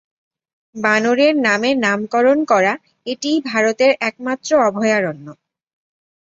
বানরের নামে নামকরণ করা এটিই ভারতের একমাত্র অভয়ারণ্য।